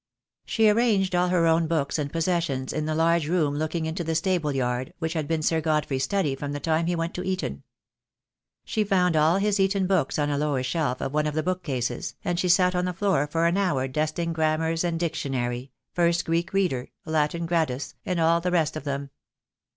She arranged all her own books and possessions in the large room looking into the stable yard, which had been Sir Godfrey's study from the time he went to Eton. She found all his Eton books on a lower shelf of one of the book cases, and she sat on the floor for an hour dust ing grammars and dictionary, first Greek Reader, Latin Gradus, and all the rest of them.